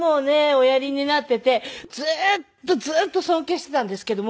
おやりになっていてずっとずっと尊敬していたんですけども。